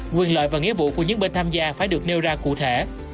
nguyên loại và nghĩa vụ của những bên tham gia phải được nêu ra cụ thể